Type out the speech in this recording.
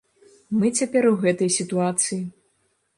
Мы цяпер у гэтай сітуацыі.